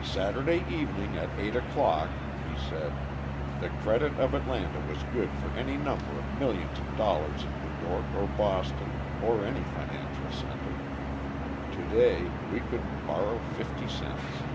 "Saturday evening at eight o'clock," he said, "the credit of Atlanta was good for any number of millions of dollars in New York or Boston or any financial centre; to day we couldn't borrow fifty cents.